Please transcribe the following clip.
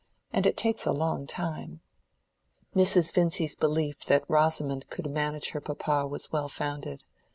And it takes a long time." Mrs. Vincy's belief that Rosamond could manage her papa was well founded.